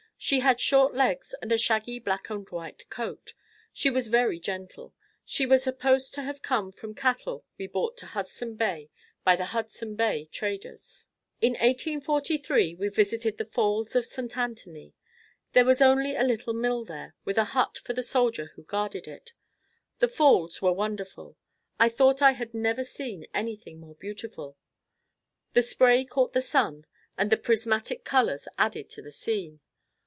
She had short legs and a shaggy black and white coat. She was very gentle. She was supposed to have come from cattle brought to Hudson Bay by the Hudson Bay traders. In 1843 we visited the Falls of St. Anthony. There was only a little mill there, with a hut for the soldier who guarded it. The Falls were wonderful. I thought I had never seen anything more beautiful. The spray caught the sun and the prismatic colors added to the scene.